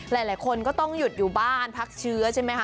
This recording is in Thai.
หลายคนก็ต้องหยุดอยู่บ้านพักเชื้อใช่ไหมคะ